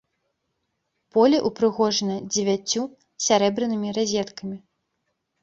Поле ўпрыгожана дзевяццю сярэбранымі разеткамі.